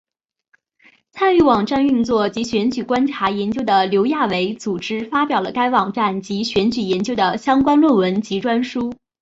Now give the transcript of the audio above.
参与网站运作及选举观察研究的刘亚伟组织发表了该网站及选举研究的相关论文及专书。